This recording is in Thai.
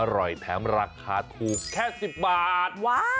อร่อยแถมราคาถูกแค่๑๐บาท